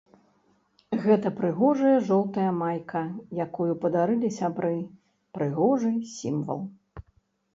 Гэта прыгожая жоўтая майка, якую падарылі сябры, прыгожы сімвал.